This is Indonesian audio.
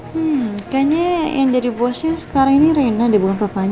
hmm kayaknya yang jadi bosnya sekarang ini reina deh bukan papanya